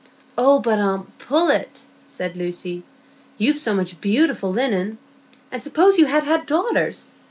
"Oh, but, aunt Pullet," said Lucy, "you've so much beautiful linen. And suppose you had had daughters!